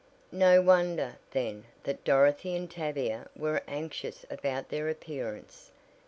No wonder, then, that Dorothy and Tavia were anxious about their appearance.